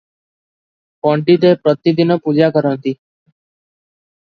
ପଣ୍ତିତେ ପ୍ରତିଦିନ ପୂଜା କରନ୍ତି ।